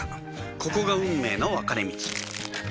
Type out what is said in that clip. ここが運命の分かれ道